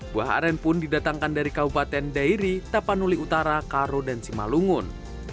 buah aren pun didatangkan dari kabupaten dairi tapanuli utara karo dan simalungun